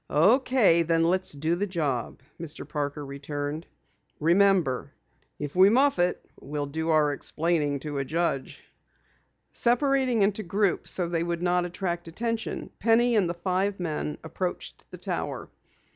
"Okay, then let's do the job," Mr. Parker returned. "Remember, if we muff it, we'll do our explaining to a judge." Separating into groups so that they would not attract attention, Penny and the five men approached the Tower.